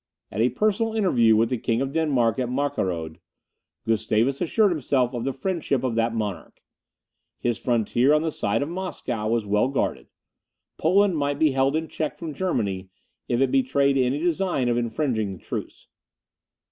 At a personal interview with the King of Denmark at Markaroed, Gustavus assured himself of the friendship of that monarch; his frontier on the side of Moscow was well guarded; Poland might be held in check from Germany, if it betrayed any design of infringing the truce.